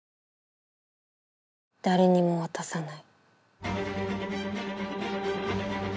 誰にも渡さない。